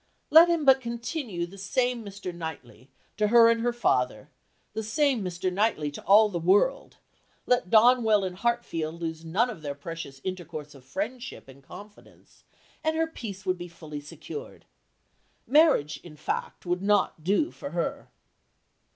Let him but continue the same Mr. Knightley to her and her father, the same Mr. Knightley to all the world; let Donwell and Hartfield lose none of their precious intercourse of friendship and confidence, and her peace would be fully secured. Marriage, in fact, would not do for her."